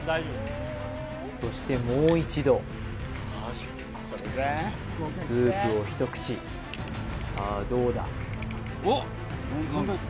そしてもう一度スープを一口さあどうだ？